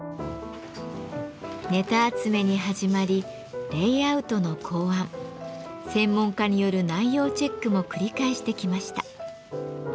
ネタ集めに始まりレイアウトの考案専門家による内容チェックも繰り返してきました。